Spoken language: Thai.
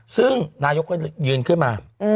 ซึ่งนายกุฏรมนี่ยืนขึ้นมา